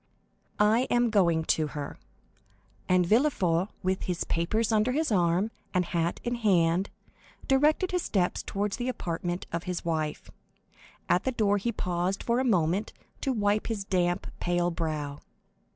"I am going to her." And Villefort, with his papers under his arm and hat in hand, directed his steps toward the apartment of his wife. At the door he paused for a moment to wipe his damp, pale brow.